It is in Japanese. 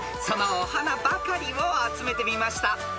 ［そのお花ばかりを集めてみました］